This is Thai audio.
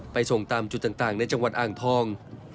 ส่งตามจุดต่างในจังหวัดอ่างทอง